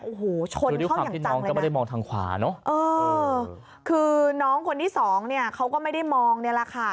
โอ้โหชนเข้าอย่างจังเลยนะคือน้องคนที่สองเนี่ยเขาก็ไม่ได้มองเนี่ยแหละค่ะ